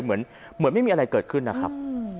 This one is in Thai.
เหมือนไม่มีอะไรเกิดขึ้นนะครับ